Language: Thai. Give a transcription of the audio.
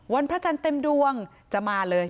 พระจันทร์เต็มดวงจะมาเลย